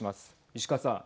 石川さん。